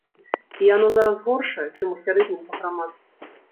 І яно зараз горшае, чым у сярэднім па грамадстве.